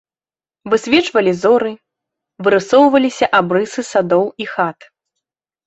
Высвечвалі зоры, вырысоўваліся абрысы садоў і хат.